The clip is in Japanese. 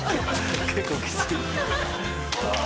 結構きつい。